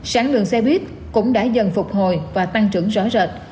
sản lượng xe buýt cũng đã dần phục hồi và tăng trưởng rõ rệt